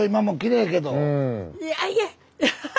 いやいや。